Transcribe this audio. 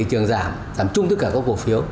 thị trường giảm giảm chung tất cả các cổ phiếu